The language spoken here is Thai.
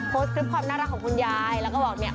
โพสต์คลิปความน่ารักของคุณยายแล้วก็บอกเนี่ย